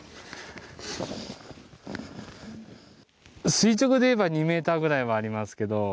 垂直でいえば２メーターぐらいはありますけど